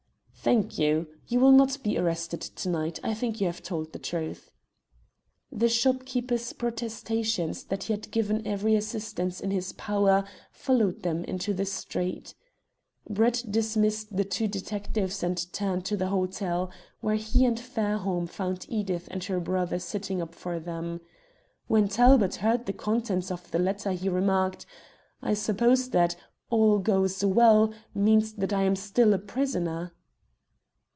"Thank you. You will not be arrested to night. I think you have told the truth." The shopkeeper's protestations that he had given every assistance in his power followed them into the street. Brett dismissed the two detectives and returned to the hotel, where he and Fairholme found Edith and her brother sitting up for them. When Talbot heard the contents of the letter he remarked: "I suppose that 'All goes well' means that I am still a prisoner?"